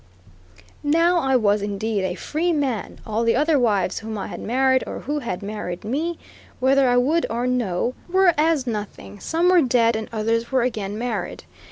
Now I was, indeed, a free man all the other wives whom I had married, or who had married me, whether I would or no, were as nothing; some were dead and others were again married.